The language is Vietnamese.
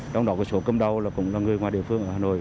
trong đó là số cơm đau là cũng là người ngoài địa phương ở hà nội